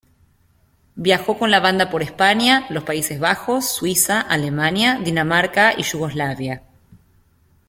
Viajó con la banda por España, los Países Bajos, Suiza, Alemania, Dinamarca y Yugoslavia.